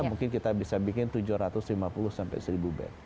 mungkin kita bisa bikin tujuh ratus lima puluh sampai seribu bed